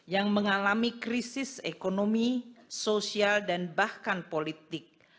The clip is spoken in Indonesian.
yang mengalami krisis ekonomi sosial dan bahkan politik